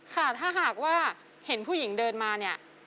ค่ะถ้าหากว่าเห็นผู้หญิงเดินมาเนี่ย